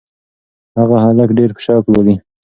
هغه هلک ډېر په شوق لولي.